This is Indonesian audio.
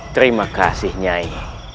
terima kasih nyai